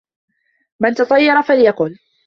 مَنْ تَطَيَّرَ فَلْيَقُلْ